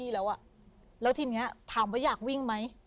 แล้วทีนี้ถามว่าอยากวิ่งไหม